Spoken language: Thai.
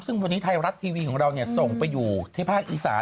ซึ่งวันนี้ไทยรัฐทีวีของเราส่งไปอยู่ที่ภาคอีสาน